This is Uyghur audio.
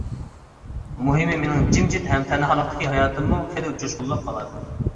مۇھىمى مېنىڭ جىمجىت ھەم تەنھالىقتىكى ھاياتىممۇ خېلى جۇشقۇنلاپ قالار.